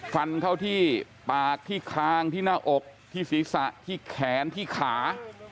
ฟันเข้าที่ปากที่คางที่หน้าอกที่ศีรษะที่แขนที่ขา